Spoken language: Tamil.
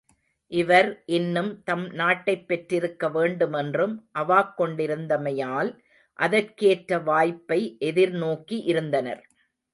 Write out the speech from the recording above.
இவர் இன்னும் தம் நாட்டைப் பெற்றிருக்க வேண்டுமென்றும் அவாக் கொண்டிருந்தமையால், அதற்கேற்ற வாய்ப்பை எதிர்நோக்கி இருந்தனர்.